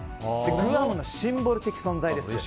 グアムのシンボル的存在です。